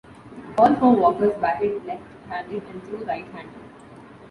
All four Walkers batted left-handed and threw right-handed.